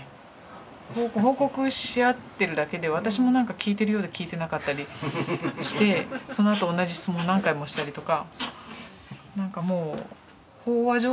報告し合ってるだけで私もなんか聞いてるようで聞いてなかったりしてそのあと同じ質問を何回もしたりとか。